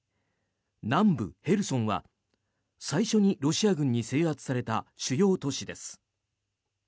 南部ヘルソンは最初にロシア軍に制圧された主要都市です。